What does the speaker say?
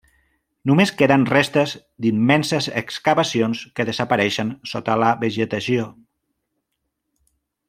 Només queden restes d'immenses excavacions que desapareixen sota la vegetació.